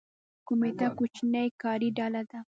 کمیټه کوچنۍ کاري ډله ده